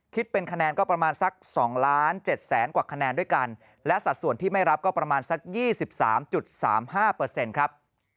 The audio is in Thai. คิดเป็นคะแนนก็ประมาณสัก๒ล้าน๗แสนกว่าคะแนนด้วยกันและสัดส่วนที่ไม่รับก็ประมาณสัก๒๓๓๕ครับ